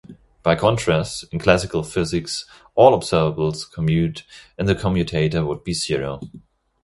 By contrast, in classical physics, all observables commute and the commutator would be zero.